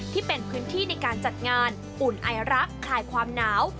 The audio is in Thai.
ที่เป็นพื้นที่ในการจัดงานอุ่นไอรักคลายความหนาว